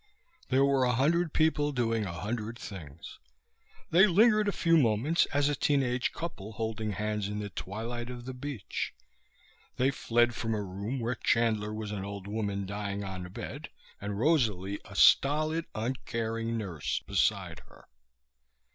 They were a hundred people doing a hundred things. They lingered a few moments as a teen age couple holding hands in the twilight of the beach. They fled from a room where Chandler was an old woman dying on a bed, and Rosalie a stolid, uncaring nurse beside her.